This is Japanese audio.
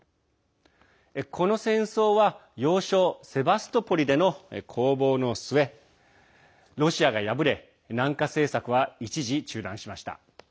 この戦争は要衝セバストポリでの攻防の末ロシアが敗れ南下政策は一時中断しました。